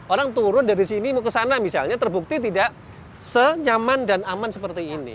orang turun dari sini mau kesana misalnya terbukti tidak senyaman dan aman seperti ini